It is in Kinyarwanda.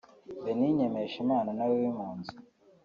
Benigne Mpeshimana nawe w’impunzi